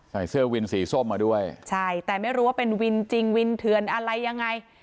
ใส่เสื้อวินสีส้มมาด้วยใช่แต่ไม่รู้ว่าเป็นวินจริงวินเทือนอะไรยังไง